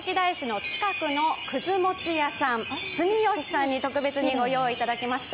川崎大師の近くの葛餅屋さん、住吉さんに特別にご用意いただきました。